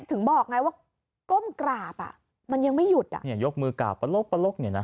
ถึงบอกไงว่าก้มกราบอ่ะมันยังไม่หยุดอ่ะเนี่ยยกมือกราบปะลกเนี่ยนะ